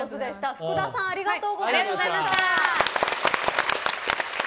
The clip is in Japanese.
福田さんありがとうございました。